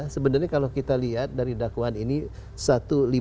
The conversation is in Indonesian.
sebenarnya kalau kita lihat dari dakwaan ini satu ratus lima puluh